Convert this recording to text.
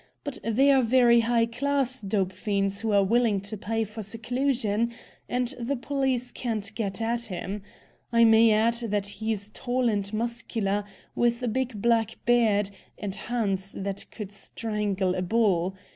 But they are very high class dope fiends, who are willing to pay for seclusion, and the police can't get at him. I may add that he's tall and muscular, with a big black beard, and hands that could strangle a bull.